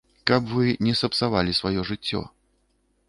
Каб вы не сапсавалі сваё жыццё.